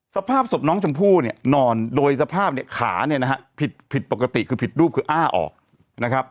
สภาพศพน้องชมพู่เนี่ยนอนโดยสภาพเนี่ยขาเนี่ยนะฮะผิดผิดปกติคือผิดรูปคืออ้าออกนะครับ